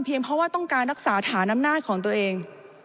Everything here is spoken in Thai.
เพียงเพราะว่าต้องการรักษาฐาน้ำหน้าของตัวเอง